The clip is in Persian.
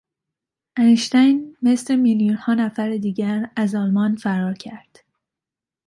اینشتین مثل میلیونها نفر دیگر، از آلمان فرار کرد.